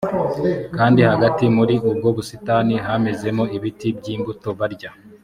kandi hagati muri ubwo busitani hamezamo ibiti byi mbuto barya